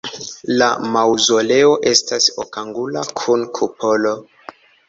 La maŭzoleo estas okangula kun kupolo.